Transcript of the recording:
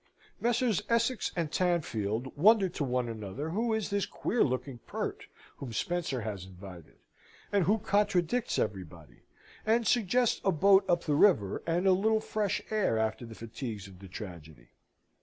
Messrs. Essex and Tanfield wonder to one another who is this queer looking pert whom Spencer has invited, and who contradicts everybody; and suggest a boat up the river and a little fresh air after the fatigues of the tragedy.